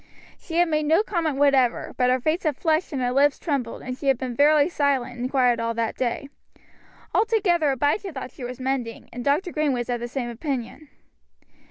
She had made no comment whatever, but her face had flushed and her lips trembled, and she had been very silent and quiet all that day. Altogether Abijah thought that she was mending, and Dr. Green was of the same opinion.